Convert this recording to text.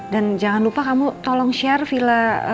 dan jangan lupa kamu tolong share villa tempatnya ya ma ya